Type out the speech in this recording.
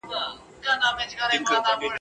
چي آزاد له پنجرو سي د ښکاریانو `